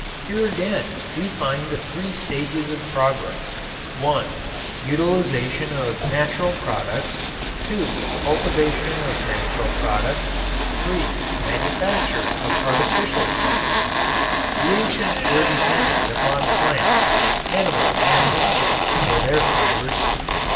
Here again we find the three stages of progress, (1) utilization of natural products, (2) cultivation of natural products, (3) manufacture of artificial products. The ancients were dependent upon plants, animals and insects for their fibers.